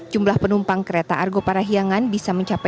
jumlah penumpang kereta argo parahyangan bisa mencapai dua empat ratus